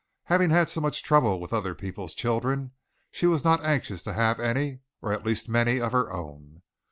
Having had so much trouble with other peoples' children she was not anxious to have any, or at least many, of her own.